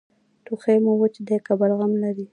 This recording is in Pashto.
ټوخی مو وچ دی که بلغم لري؟